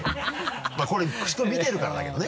まぁこれ見てるからだけどね